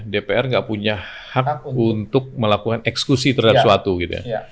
dpr nggak punya hak untuk melakukan eksekusi terhadap suatu gitu ya